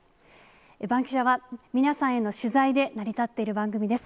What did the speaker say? バンキシャは皆さんへの取材で成り立っている番組です。